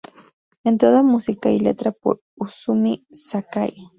En todas música y letra por Izumi Sakai